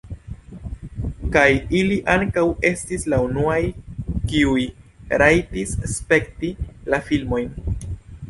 Kaj ili ankaŭ estis la unuaj, kiuj rajtis spekti la filmojn.